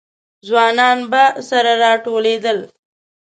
ځوانان به سره راټولېدل.